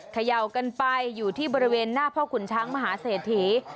เขย่ากันไปอยู่ที่บริเวณหน้าพ่อขุนช้างมหาเศรษฐี